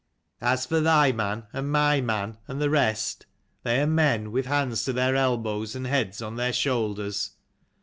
As for thy man, and my man, and the rest, they are men, with hands to their elbows and heads on their shoulders."